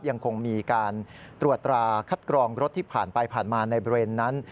ยังคงมีการตรวจตราคัดกรองรถที่ผ่านไปผ่านมาในบริเวณนั้น